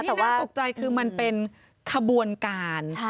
แต่ว่าตกใจคือมันเป็นขบวนการ